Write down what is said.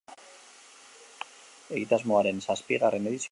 Egitasmoaren zazpigarren edizioa izango da.